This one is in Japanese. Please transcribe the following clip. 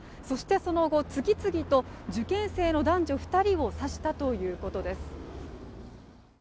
そしてその後次々と受験生の男女２人を刺したということです。